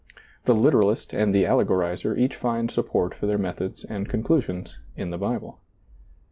The literalist and the allegorizer each find support for their methods and conclusions in the Bible.